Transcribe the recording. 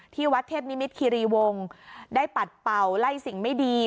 ที่วัดเทพนิมิตคิรีวงศ์ได้ปัดเป่าไล่สิ่งไม่ดี